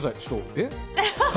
えっ？